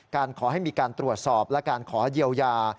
ขอให้มีการตรวจสอบและการขอเยียวยา